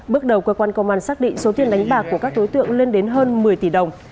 bước đầu cơ quan công an xác định số tiền đánh bạc của các đối tượng lên đến hơn một mươi tỷ đồng